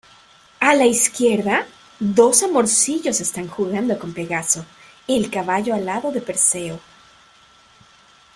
A la izquierda, dos amorcillos están jugando con Pegaso, el caballo alado de Perseo.